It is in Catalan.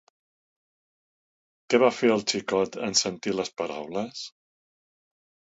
Què va fer el xicot en sentir les paraules?